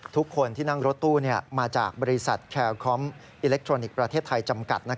ทุกคนที่นั่งรถตู้มาจากบริษัทแคลคอมอิเล็กทรอนิกส์ประเทศไทยจำกัด